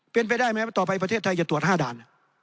เป็นไปได้ไหมต่อไปประเทศไทยจะตรวจ๕ด่าน